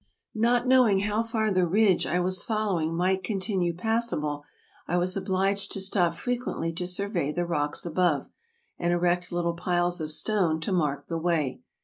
Not knowing how far the ridge I was following might continue passable, I was obliged to stop frequently to sur vey the rocks above, and erect little piles of stone to mark the way.